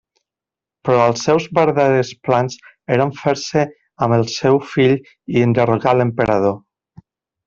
Però els seus verdaders plans eren fer-se amb el seu fill i enderrocar l'Emperador.